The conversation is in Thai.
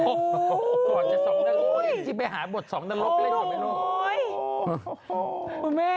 ก่อนจะสองนารีจริงไปหาบทสองนรกเล่นก่อนแม่โอ้โฮ